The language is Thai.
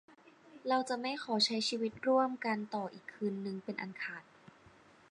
เราจะไม่ขอใช้ชีวิตร่วมกันต่ออีกคืนนึงเป็นอันขาด